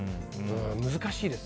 難しいです。